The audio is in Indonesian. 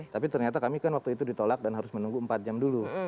tapi ternyata kami kan waktu itu ditolak dan harus menunggu empat jam dulu